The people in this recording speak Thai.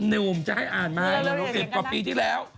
นุ่มจะให้อ่านมั้ย๑๐กว่าปีที่แล้วเร็วอย่างนั้นนะ